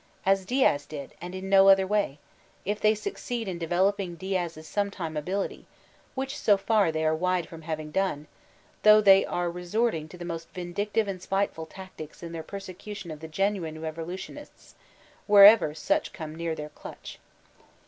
As Diaz did, and in no other way — if they succeed in developing Diaz's so me tim e ability ; which so far they are wide from hav ing done, though they are resorting to the most vindictive and spiteful tactics in their persecution of the genuine revolutionists, wherever such come near their clutch.